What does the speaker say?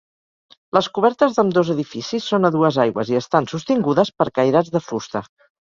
Les cobertes d'ambdós edificis són a dues aigües i estan sostingudes per cairats de fusta.